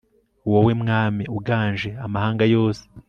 wowe mwami uganje, amahanga yose